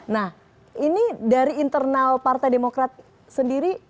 nah ini dari internal partai demokrat sendiri